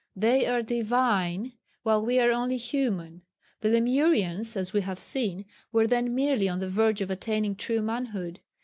They are "divine" while we are only "human." The Lemurians, as we have seen, were then merely on the verge of attaining true manhood.